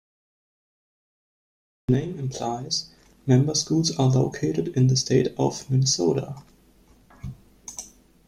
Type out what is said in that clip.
As the name implies, member schools are located in the state of Minnesota.